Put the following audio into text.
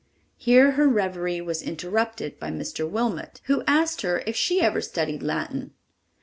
Here her reverie was interrupted by Mr. Wilmot, who asked her if she ever studied Latin.